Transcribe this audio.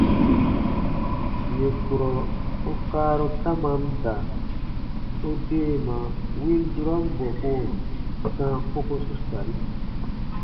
Yè kurɔ u kaaru tamam da, u deema win durɔn bɔkuɔ sãa kokosu sari.